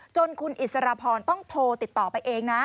จนคุณอิสรพรต้องโทรติดต่อไปเองนะ